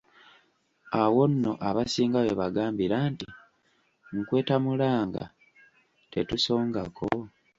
Awo nno abasinga we baagambira nti, nkwetamulanga, tetusongako!